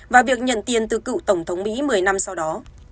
và việc nhận tiền từ cựu tổng thống mỹ một mươi năm sau đó